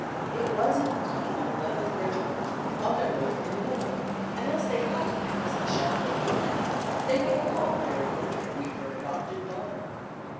It was indeed the Eleventh Regiment on their way from the war; and as they had to pass the Château Berkenfeld, they made a halt there in order to greet their adopted Daughter.